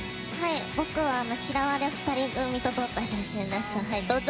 僕は嫌われ２人組と撮った写真です。